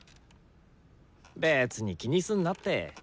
別に気にすんなって。